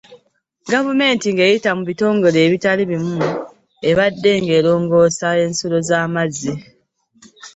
Gavumenti nga eyita mu bitongole ebitali bimu ebadde nga erongoosa ensulo z'amazzi.